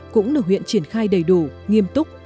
cũng được huyện triển khai đầy đủ nghiêm túc